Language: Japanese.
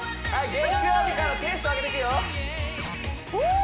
月曜日からテンション上げていくよフー！